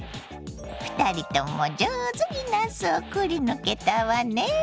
２人とも上手になすをくりぬけたわね。